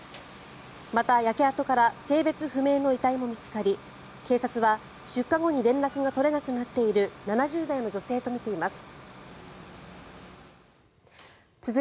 また、焼け跡から性別不明の遺体も見つかり警察は、出火後に連絡が取れなくなっている７０代の女性とみています。